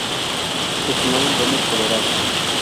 Se crio en Denver, Colorado.